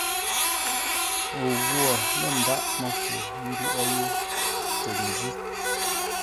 O ghwo lə̂ ndághʼ məfu ńdwóʼó yé tə nzʉ́.